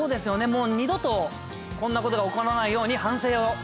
もう二度とこんなことが起こらないように。